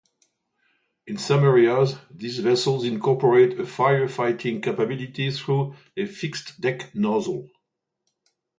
In some areas these vessels incorporate a firefighting capability through a fixed deck nozzle.